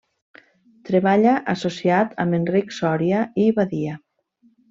Treballa associat amb Enric Sòria i Badia.